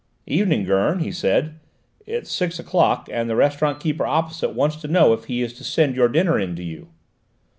"Evening, Gurn," he said; "it's six o'clock, and the restaurant keeper opposite wants to know if he is to send your dinner in to you."